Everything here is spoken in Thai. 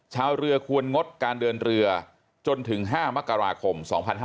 ชาวเรือควรงดการเดินเรือจนถึง๕มกราคม๒๕๕๙